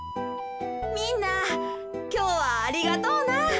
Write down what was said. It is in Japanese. みんなきょうはありがとうな。